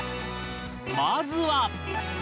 まずは